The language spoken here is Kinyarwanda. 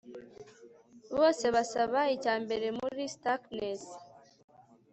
Bose basaba icyambere muri Starkness